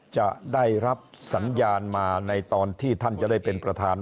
จะได้รับสัญญาณมาในตอนที่ท่านจะได้เป็นประธาน